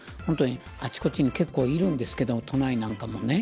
あちこちに結構いるんですけど都内なんかも。